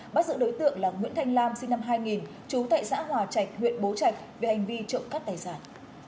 bắt giữ đối tượng là nguyễn thanh lam sinh năm hai nghìn trú tại xã hòa trạch huyện bố trạch về hành vi trộm cắp tài sản